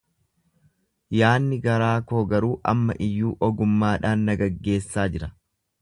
yaadni garaa koo garuu amma iyyuu ogummaadhaan na geggeessaa jira;